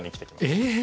ええ！